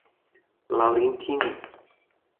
Laurentino